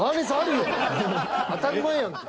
当たり前やんか。